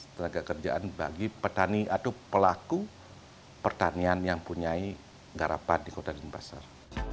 tenaga kerjaan bagi petani atau pelaku pertanian yang punya garapan di kota denpasar